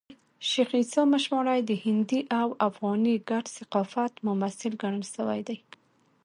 شېخ عیسي مشواڼي د هندي او افغاني ګډ ثقافت ممثل ګڼل سوى دئ.